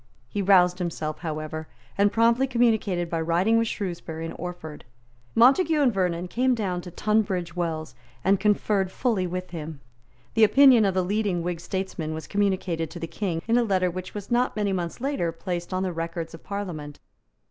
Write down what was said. He roused himself, however, and promptly communicated by writing with Shrewsbury and Orford. Montague and Vernon came down to Tunbridge Wells, and conferred fully with him. The opinion of the leading Whig statesmen was communicated to the King in a letter which was not many months later placed on the records of Parliament.